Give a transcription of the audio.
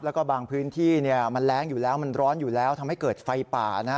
แล้วก็บางพื้นที่มันแรงอยู่แล้วมันร้อนอยู่แล้วทำให้เกิดไฟป่านะฮะ